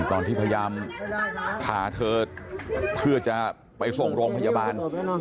ตอนที่พยายามพาเธอเพื่อจะไปส่งโรงพยาบาล